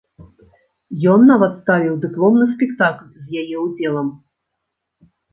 Ён нават ставіў дыпломны спектакль з яе ўдзелам.